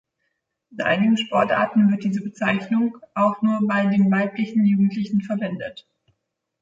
In einigen Sportarten wird diese Bezeichnung auch nur bei den weiblichen Jugendlichen verwendet.